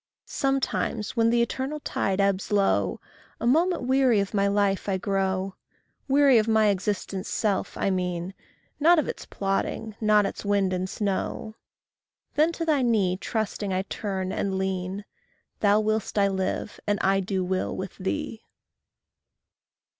Sometimes, when the eternal tide ebbs low, A moment weary of my life I grow Weary of my existence' self, I mean, Not of its plodding, not its wind and snow Then to thy knee trusting I turn, and lean: Thou will'st I live, and I do will with thee.